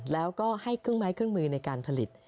แล้วก็ให้เครื่องไม้เครื่องมือในการผลิต